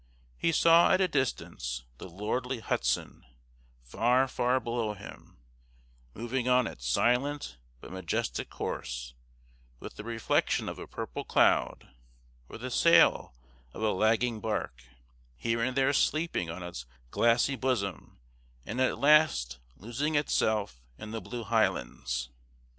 He saw at a distance the lordly Hudson, far, far below him, moving on its silent but majestic course, with the reflection of a purple cloud, or the sail of a lagging bark, here and there sleeping on its glassy bosom and at last losing itself in the blue highlands.